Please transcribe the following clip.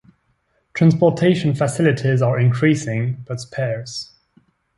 Transportation facilities are increasing, but sparse.